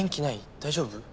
大丈夫？